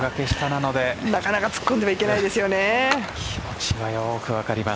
なかなか突っ込んでいけないですよね。